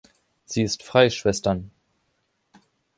Sie ist frei, Schwestern.